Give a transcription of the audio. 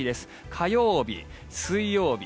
火曜日、水曜日